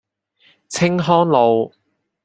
青康路